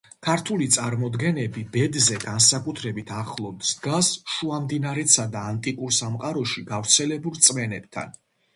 ქართული წარმოდგენები ბედზე განსაკუთრებით ახლოს დგას შუამდინარეთსა და ანტიკურ სამყაროში გავრცელებულ რწმენებთან.